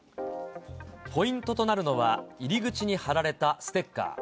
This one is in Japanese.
ポイントとなるのは、入り口に貼られたステッカー。